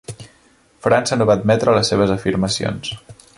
França no va admetre les seves afirmacions.